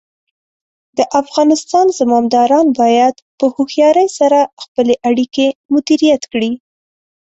د افغانستان زمامداران باید په هوښیارۍ سره خپلې اړیکې مدیریت کړي.